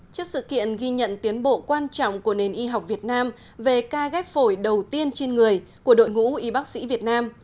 trước sự kiện ghi nhận tiến bộ quan trọng của nền y học việt nam về ca ghép phổi đầu tiên trên người của đội ngũ y bác sĩ việt nam